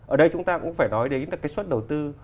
ở đây chúng ta cũng phải nói đến là cái suất đầu tư